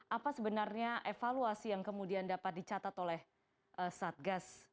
apa sebenarnya evaluasi yang kemudian dapat dicatat oleh satgas